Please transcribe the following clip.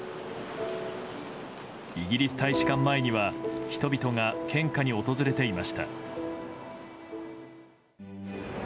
イギリス大使館前には人々が献花に訪れていました。